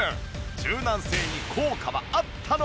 柔軟性に効果はあったのか？